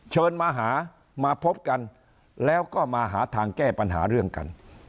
เชิญมาหามาพบกันแล้วก็มาหาทางแก้ปัญหาเรื่องกัน